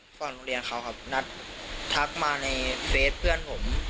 ฝั่งโรงเรียนเขาครับนัดทักมาในเฟสเพื่อนผม